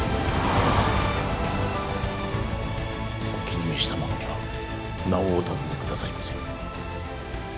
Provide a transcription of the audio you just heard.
お気に召した者には名をお尋ね下さいませ。